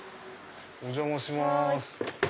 お邪魔します。